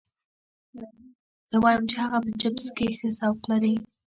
زه وایم چې هغه په چپس کې ښه ذوق لري